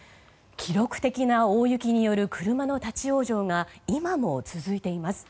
記録的な大雪による車の立ち往生が今も続いています。